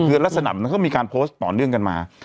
คือลักษณะมันก็มีการโพสต์ต่อเนื่องกันมา